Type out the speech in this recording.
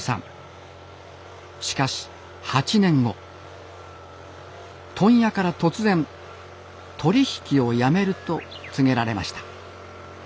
しかし８年後問屋から突然「取り引きをやめる」と告げられました。